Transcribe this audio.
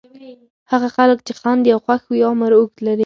هغه خلک چې خاندي او خوښ وي عمر اوږد لري.